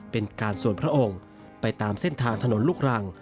เป็นการสวนพระองค์ไปตามเส้นทางถนนลูกรัง